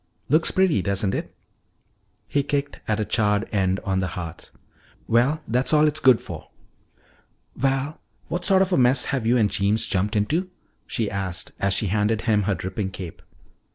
Looks pretty, doesn't it?" He kicked at a charred end on the hearth. "Well, that's all it's good for!" "Val, what sort of a mess have you and Jeems jumped into?" she asked as she handed him her dripping cape.